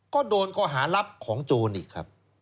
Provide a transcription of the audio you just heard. ก็โดนก็หารับของโจรอีกครับ